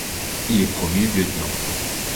Il est promu lieutenant.